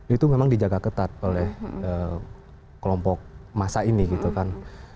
itu memang dijaga ketat oleh kelompok masa ini gitu kan